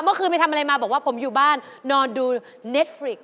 ก็คือไม่ทำอะไรมาบอกว่าผมอยู่บ้านนอนดูเน็ตฟริก